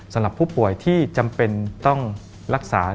สำหรับผู้ป่วยที่จำเป็นต้องรักษา